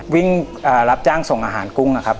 วิ่งรับจ้างส่งอาหารกุ้งนะครับ